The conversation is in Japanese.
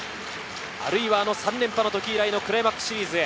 あるいは３連覇の時以来のクライマックスシリーズへ。